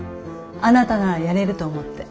あなたならやれると思って。